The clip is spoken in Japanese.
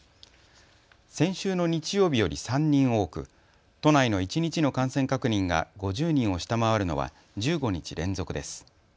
先週の日曜日より３人多く都内の一日の感染確認が５０人を下回るのは１５日連続です。